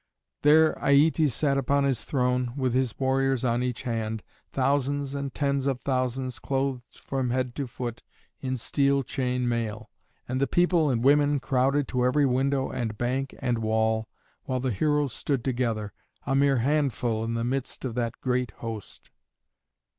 There Aietes sat upon his throne, with his warriors on each hand, thousands and tens of thousands clothed from head to foot in steel chain mail. And the people and women crowded to every window and bank and wall, while the heroes stood together, a mere handful in the midst of that great host.